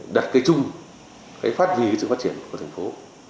đặt cây trung phát vì sự phát triển của thành phố